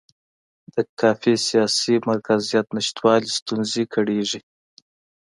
د کافي سیاسي مرکزیت نشتوالي ستونزې کړېږي.